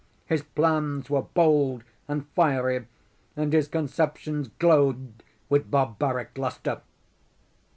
His plans were bold and fiery, and his conceptions glowed with barbaric lustre.